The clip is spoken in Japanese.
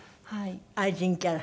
愛人キャラ？